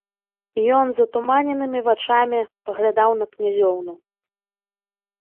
Ён затуманенымі вачамі паглядаў на князёўну.